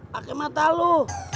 pakai mata lo